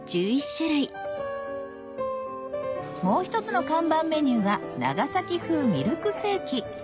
もう一つの看板メニューが長崎風ミルクセーキ